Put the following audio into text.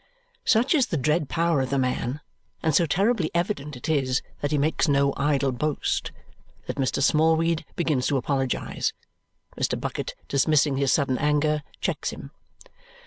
Such is the dread power of the man, and so terribly evident it is that he makes no idle boast, that Mr. Smallweed begins to apologize. Mr. Bucket, dismissing his sudden anger, checks him.